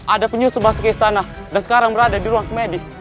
ada penyusu masuk ke istana dan sekarang berada di ruang semedi